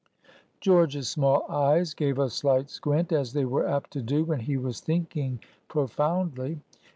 George's small eyes gave a slight squint, as they were apt to do when he was thinking profoundly.